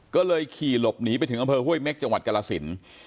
ก็เลยขี่หลบหนีไปถึงอำเภอห้วยเม็กจังหวัดกรสิน